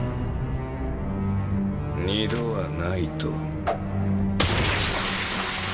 二度はないと。